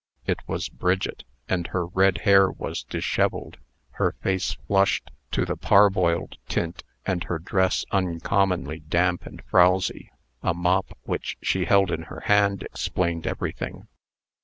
It was Bridget; and her red hair was dishevelled, her face flushed to the parboiled tint, and her dress uncommonly damp and frowsy. A mop which she held in her hand explained everything.